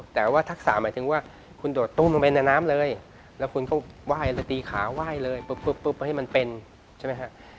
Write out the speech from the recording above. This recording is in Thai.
แต่ว่าทักษะหมายถึงว่าคุณโดดตุ้มลงไปในน้ำเลยแล้วคุณก็ไหว้แล้วตีขาไหว้เลยปุ๊บให้มันเป็นใช่ไหมฮะ